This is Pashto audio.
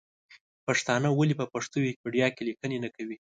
پښتانه ولې په پښتو ویکیپېډیا کې لیکنې نه کوي ؟